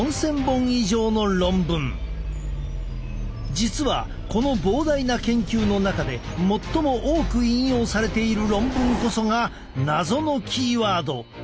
実はこの膨大な研究の中で最も多く引用されている論文こそが謎のキーワード